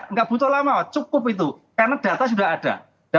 nggak butuh lama cukup itu karena data sudah ada